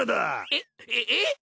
えっえっ？